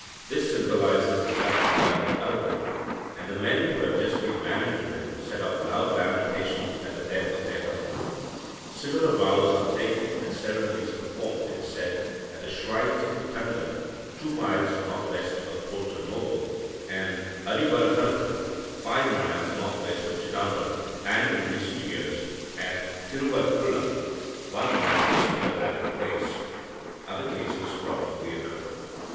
This symbolises the sacrifice of Aravan, and the men who have just been married to him set up loud lamentations at the death of their husband. Similar vows are taken and ceremonies performed, it is said, at the shrines of Kuttandar, two miles north west of Porto Novo, and Adivarahanattum (five miles north west of Chidambaram), and, in recent years, at Tiruvarkkulam (one mile east of the latter place); other cases probably occur."